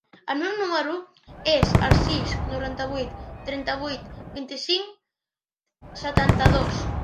El meu número es el sis, noranta-vuit, trenta-vuit, vint-i-cinc, setanta-dos.